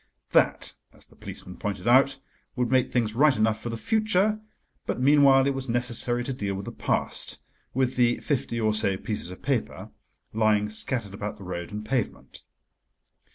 That, as the policeman pointed out, would make things right enough for the future, but meanwhile it was necessary to deal with the past—with the fifty or so pieces of paper lying scattered about the road and pavement.